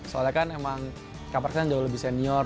soalnya kan emang kak pras kan jauh lebih senior